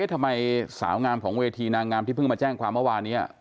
ทำไมสาวงามของเวทีนางงามที่เพิ่งมาแจ้งความเมื่อวานนี้